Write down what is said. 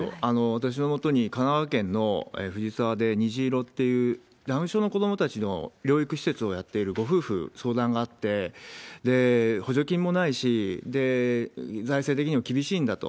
私のもとに、香川県のふじさわで、にじいろっていう、ダウン症の子どもたちの療育施設をやっているご夫婦、相談があって、補助金もないし、財政的にも厳しいんだと。